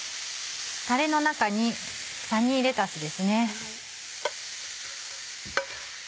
たれの中にサニーレタスですね。